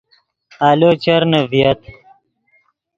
آلو چرنے ڤییت